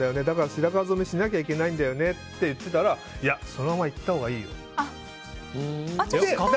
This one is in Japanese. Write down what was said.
だから白髪染めしなきゃいけないんだよねって言っていたらいや、そのままいったほうがいいよって。